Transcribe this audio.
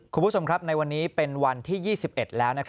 คุณผู้ชมครับในวันนี้เป็นวันที่๒๑แล้ว